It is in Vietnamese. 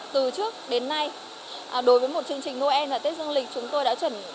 từ trước đến nay đối với một chương trình noel và tết dương lịch